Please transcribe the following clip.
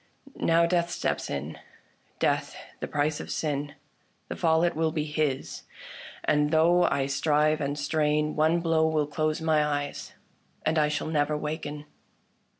Now death steps in — Death the price of sin. The fall it will be his ; and though I strive and strain, One blow will close my eyes, and I shall never waken."